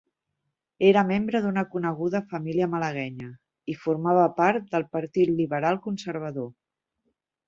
Era membre d'una coneguda família malaguenya i formava part del Partit Liberal Conservador.